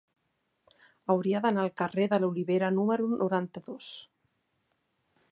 Hauria d'anar al carrer de l'Olivera número noranta-dos.